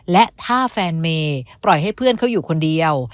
และถ้าแฟนเมย์ปล่อยให้เพื่อนเขาอยู่คนเดียว